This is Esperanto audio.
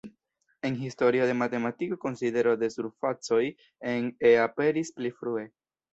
En historio de matematiko konsidero de surfacoj en E" aperis pli frue.